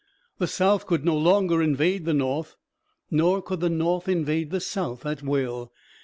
The South could no longer invade the North, nor could the North invade the South at will.